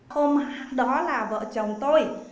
hôm đó là vợ chồng tôi